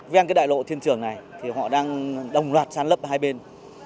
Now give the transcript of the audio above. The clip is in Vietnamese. về cái đại lộ thiên trường này thì họ đang đồng loạt sàn lấp hai bên